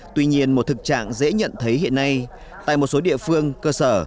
tuy nhiên một thực trạng dễ nhận thấy hiện nay tại một số địa phương cơ sở